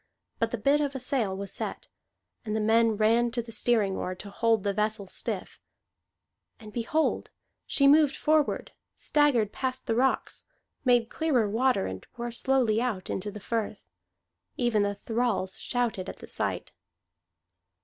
But the bit of a sail was set, and men ran to the steering oar to hold the vessel stiff; and behold, she moved forward, staggered past the rocks, made clearer water, and wore slowly out into the firth. Even the thralls shouted at the sight.